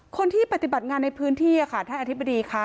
คนที่ปฏิบัติงานในพื้นที่เนี่ยนะคะท่านอธิบดีคะ